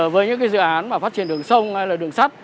với những dự án mà phát triển đường sông hay là đường sắt